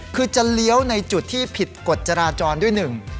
คือจะเลี้ยวในจุดที่ผิดกฎจราจรด้วยหนึ่ง